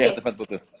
iya sempat putus